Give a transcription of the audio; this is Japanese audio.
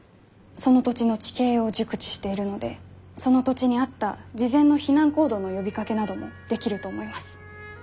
その土地の地形を熟知しているのでその土地に合った事前の避難行動の呼びかけなどもできると思います。